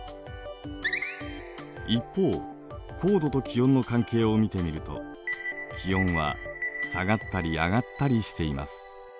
一方高度と気温の関係を見てみると気温は下がったり上がったりしています。